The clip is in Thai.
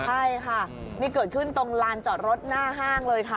ใช่ค่ะนี่เกิดขึ้นตรงลานจอดรถหน้าห้างเลยค่ะ